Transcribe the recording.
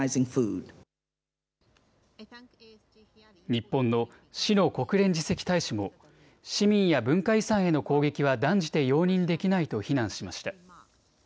日本の志野国連次席大使も市民や文化遺産への攻撃は断じて容認できないと非難しました。